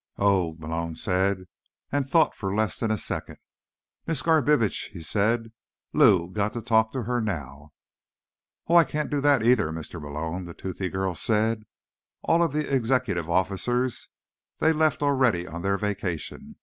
"Oog," Malone said, and thought for less than a second. "Miss Garbitsch," he said. "Lou. Got to talk to her. Now." "Oh, I can't do that, either, Mr. Malone," the toothy girl said. "All of the executive officers, they left already on their vacation.